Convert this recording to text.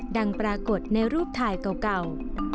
ปรากฏในรูปถ่ายเก่า